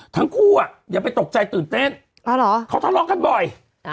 ทั้งคู่อ่ะอย่าไปตกใจตื่นเต้นอ๋อเหรอเขาทะเลาะกันบ่อย